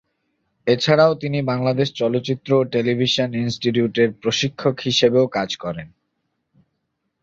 এছাড়াও তিনি বাংলাদেশ চলচ্চিত্র ও টেলিভিশন ইন্সটিটিউটের প্রশিক্ষক হিসাবেও কাজ করেন।